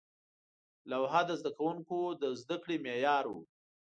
لوحه د زده کوونکو د زده کړې معیار و.